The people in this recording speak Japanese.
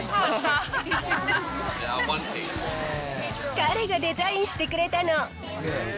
彼がデザインしてくれたの。